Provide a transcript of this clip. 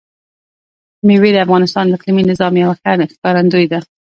مېوې د افغانستان د اقلیمي نظام یوه ښه ښکارندوی ده.